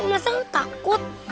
masa lu takut